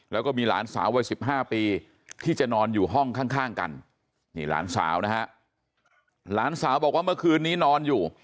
แล้วก็มีหลานสาววัย๑๕ปีที่จะนอนอยู่ห้องข้างกันนี่หลานสาวนะฮะหลานสาวบอกว่าเมื่อคืนนี้นอนอยู่